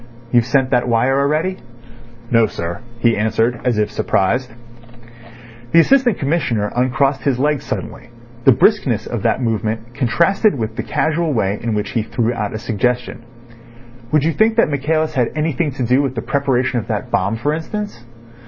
"You've sent that wire already?" "No, sir," he answered, as if surprised. The Assistant Commissioner uncrossed his legs suddenly. The briskness of that movement contrasted with the casual way in which he threw out a suggestion. "Would you think that Michaelis had anything to do with the preparation of that bomb, for instance?"